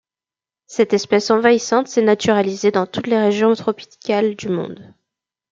Cette espèce envahissante s'est naturalisée dans toutes les régions tropicales du monde.